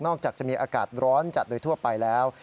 จากจะมีอากาศร้อนจัดโดยทั่วไปแล้ว